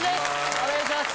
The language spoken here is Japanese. お願いします。